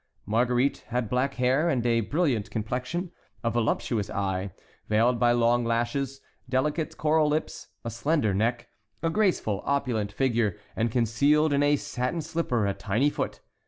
Marguerite had black hair and a brilliant complexion; a voluptuous eye, veiled by long lashes; delicate coral lips; a slender neck; a graceful, opulent figure, and concealed in a satin slipper a tiny foot.